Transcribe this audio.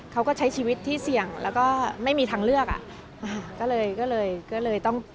เขาก็ใช้ชีวิตที่เสี่ยงแล้วก็ไม่มีทางเลือกอ่ะอ่าก็เลยก็เลยก็เลยต้อง